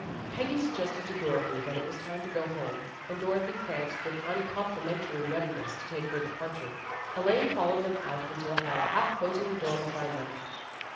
Peggy suggested to Dorothy that it was time to go home, and Dorothy pranced with uncomplimentary readiness to take her departure. Elaine followed them out into the hall, half closing the door behind them.